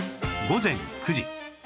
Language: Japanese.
午前９時